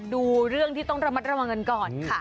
ดูเรื่องที่ต้องระมัดระวังกันก่อนค่ะ